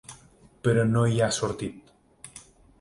Però no hi ha sortit.